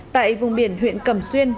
tại vùng biển huyện cầm xuyên